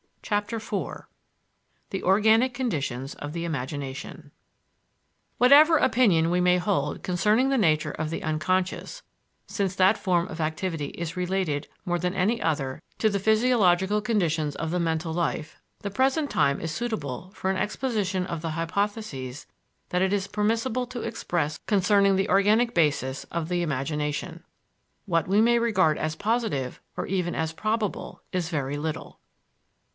CHAPTER IV THE ORGANIC CONDITIONS OF THE IMAGINATION Whatever opinion we may hold concerning the nature of the unconscious, since that form of activity is related more than any other to the physiological conditions of the mental life, the present time is suitable for an exposition of the hypotheses that it is permissible to express concerning the organic bases of the imagination. What we may regard as positive, or even as probable, is very little.